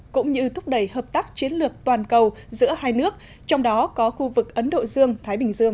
cũng như thúc đẩy hợp tác chiến lược toàn cầu giữa hai nước trong đó có khu vực ấn độ dương thái bình dương